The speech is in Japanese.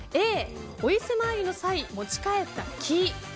Ａ、お伊勢参りの際持ち帰った木。